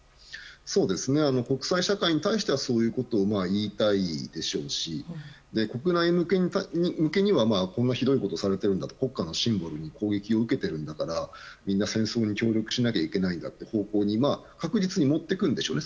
国際社会に対してはそういうことを言いたいでしょうし国内向けには、こんなひどいことをされているんだ国家のシンボルに攻撃を受けてるんだからみんな戦争に協力しなきゃいけないんだという方向に確実に持っていくんでしょうね。